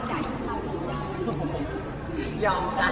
ค่ะไปเผาเล่นค่ะเค้าบ้าน